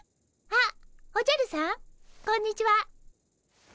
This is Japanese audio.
あっおじゃるさんこんにちは。